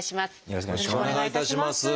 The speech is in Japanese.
よろしくお願いします。